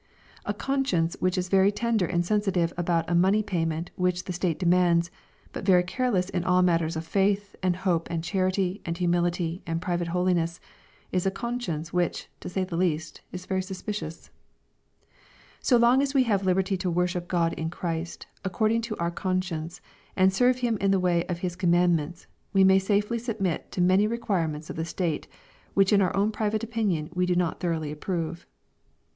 A conscience which is very tender and sensitive about a money payment which the state demands, but very careless in all mattera of faith, and hope, and charity, and humility, and private holiness, is a conscience which, to say the least, is very suspicious. So long as we have liberty to worship Grod in Christy accord ing to our conscience, and to serve Him in the way of His com mandments, we may safely submit to many requirements of the state, which in our own private opinion we do not thoroughly approve.